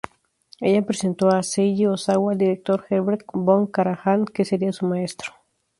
Ella presentó a Seiji Ozawa al director Herbert von Karajan, que sería su maestro.